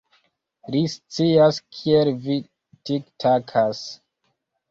Li scias kiel vi tiktakas.